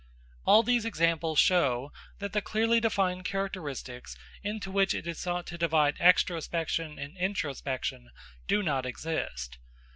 All these examples show that the clearly defined characteristics into which it is sought to divide extrospection and introspection do not exist.